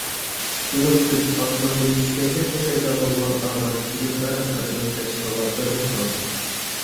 تۇيۇقسىز ئاسماندىن چۈشكەندەكلا پەيدا بولغان ئارمان كېلىپلا رەپقەتنىڭ كاچىتىغا بىرنى سالدى.